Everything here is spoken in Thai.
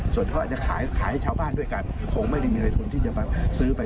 ส่วนเขาอาจจะขายขายให้ชาวบ้านด้วยกันคงไม่ได้มีอะไรคนที่จะมาซื้อไป